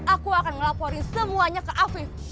aku akan melaporin semuanya ke afif